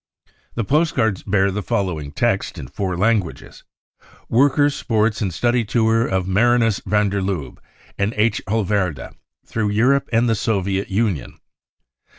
The post cards bear the following text in four languages :" Workers 5 Sports and Study Tour of Marinus van der Lubbe and H. Hoiverda through Europe and the Soviet LJnion.